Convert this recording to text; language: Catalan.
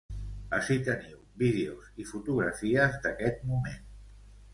Ací teniu vídeos i fotografies d’aquest moment.